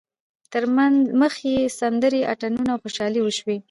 تر مخ یې سندرې، اتڼونه او خوشحالۍ وشوې.